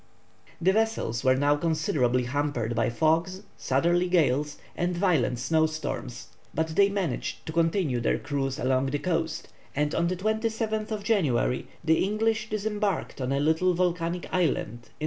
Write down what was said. The vessels were now considerably hampered by fogs, southerly gales, and violent snow storms, but they managed to continue their cruise along the coast, and on the 27th January the English disembarked on a little volcanic island in S.